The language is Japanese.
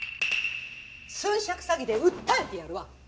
寸借詐欺で訴えてやるわ！